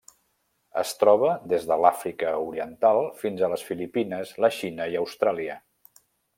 Es troba des de l'Àfrica Oriental fins a les Filipines, la Xina i Austràlia.